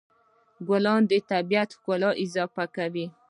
ګلان د طبیعت ښکلا اضافه کوي.